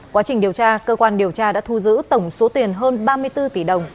quá trình điều tra cơ quan điều tra đã thu giữ tổng số tiền hơn ba mươi bốn tỷ đồng